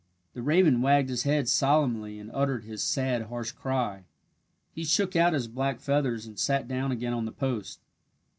The raven wagged his head solemnly and uttered his sad, harsh cry. He shook out his black feathers and sat down again on the post.